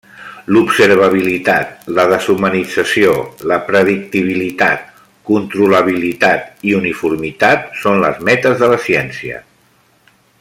L'observabilitat, la deshumanització, la predictibilitat, controlabilitat i uniformitat són les metes de la ciència.